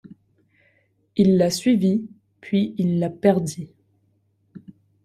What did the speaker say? Il la suivit, puis il la perdit.